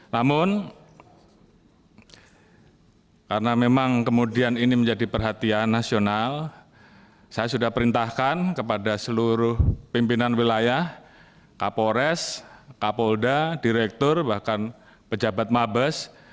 namun karena memang kemudian ini menjadi perhatian nasional saya sudah perintahkan kepada seluruh pimpinan wilayah kapolres kapolda direktur bahkan pejabat mabes